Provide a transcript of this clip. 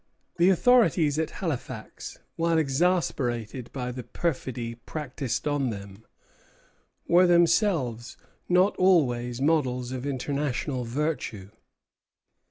The authorities at Halifax, while exasperated by the perfidy practised on them, were themselves not always models of international virtue.